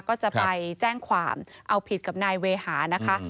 ก็จะไปแจ้งความเอาผิดกับนายเวหานะคะ